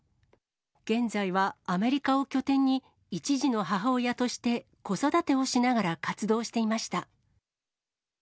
現在はアメリカを拠点に１児の母親として、子育てをしながら活動していました。